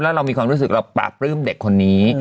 แล้วเรามีความรู้สึกเราปราบปลื้มเด็กคนนี้